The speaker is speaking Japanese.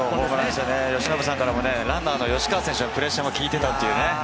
由伸さんからもランナー・吉川選手のプレッシャーも効いていたという。